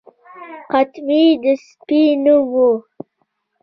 قطمیر د سپي نوم و.